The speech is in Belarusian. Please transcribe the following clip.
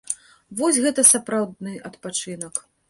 Вось гэта сапраўдны адпачынак!